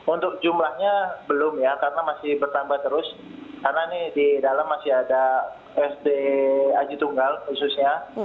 untuk jumlahnya belum ya karena masih bertambah terus karena ini di dalam masih ada sd aji tunggal khususnya